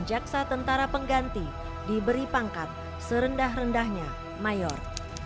pasal dua ayat tiga dan empat yakni jaksa tentara pengganti diberi pangkat serendah rendahnya mayor